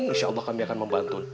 insya allah kami akan membantu